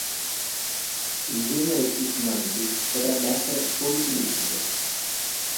Il genere "Ichnanthus" potrebbe essere polifiletico.